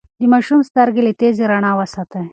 د ماشوم سترګې له تیزې رڼا وساتئ.